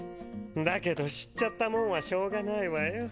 だけど知っちゃったもんはしょうがないわよ。